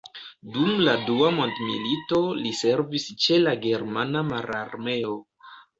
Dum la Dua mondmilito li servis ĉe la germana mararmeo.